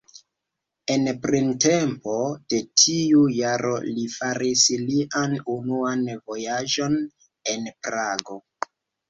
En printempo de tiu jaro li faris lian unuan vojaĝon en Prago.